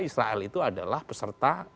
israel itu adalah peserta